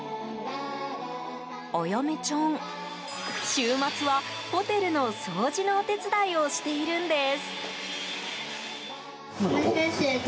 週末はホテルの掃除のお手伝いをしているんです。